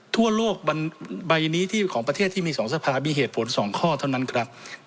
ทั่วโลกใบนี้ที่ของประเทศที่มี๒สภามีเหตุผล๒ข้อเท่านั้นครับ